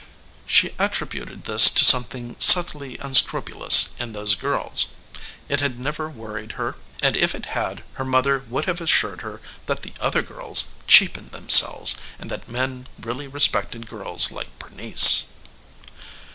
She attributed this to something subtly unscrupulous in those girls. It had never worried her, and if it had her mother would have assured her that the other girls cheapened themselves and that men really respected girls like Bernice.